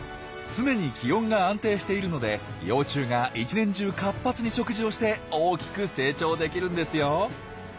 常に気温が安定しているので幼虫が一年中活発に食事をして大きく成長できるんですよ。